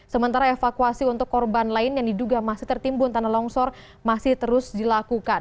sementara evakuasi untuk korban lain yang diduga masih tertimbun tanah longsor masih terus dilakukan